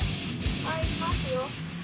帰りますよ。